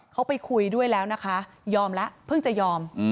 เขาไปคุยด้วยแล้วนะคะยอมแล้วเพิ่งจะยอม